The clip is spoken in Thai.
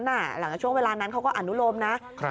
หลังจากนั้นช่วงเวลานั้นเขาก็อนุโลมนะ